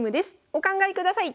お考えください。